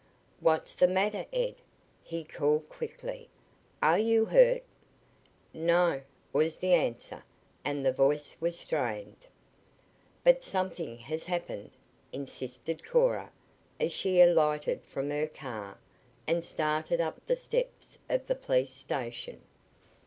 "What's the matter, Ed?" he called quickly. "Are you hurt?" "No," was the answer, and the voice was strained. "But something has happened," insisted Cora as she alighted from her car and started up the steps of the police station.